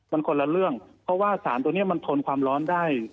มันคนละเรื่องเพราะว่าสารตัวนี้มันทนความร้อนได้